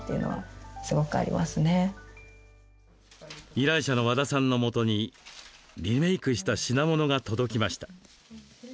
依頼者の和田さんのもとにリメークした品物が届きました。